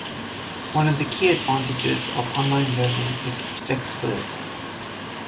One of the key advantages of online learning is its flexibility.